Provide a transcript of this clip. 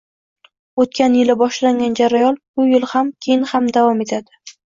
O'tgan yili boshlangan jarayon bu yil ham, keyin ham davom etadi